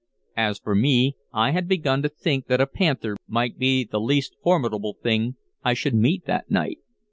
As for me, I had begun to think that a panther might be the least formidable thing I should meet that night.